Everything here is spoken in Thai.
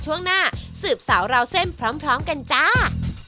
ช่วงหน้าสืบสาวราวเส้นพร้อมกันจ้า